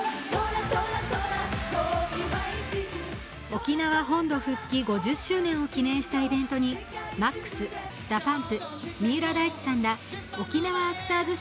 沖縄本土復帰５０周年を記念したイベントにＭＡＸ、ＤＡＰＵＭＰ、三浦大知さんら沖縄アクターズ